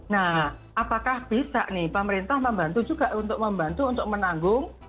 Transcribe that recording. nah apakah bisa nih pemerintah membantu juga untuk membantu untuk menanggung